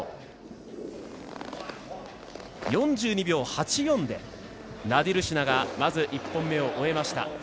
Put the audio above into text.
４２秒８４でナディルシナがまず１本目を終えました。